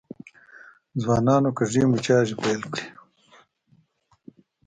ځوانانو کږې میتیازې پیل کړي.